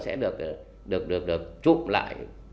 sẽ được trút lại